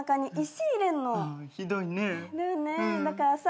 だからさ